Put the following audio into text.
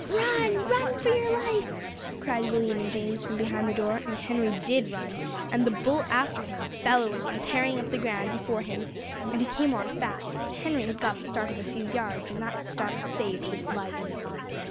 "Run, run for your life!" cried William and James, from behind the door; and Henry did run, and the bull after him, bellowing and tearing up the ground before him; and he came on fast, but Henry had got the start of a few yards, and that start saved his life.